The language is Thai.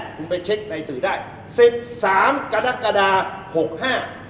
คุณไปเช็คในสื่อได้สิบสามกรกฎาหกห้า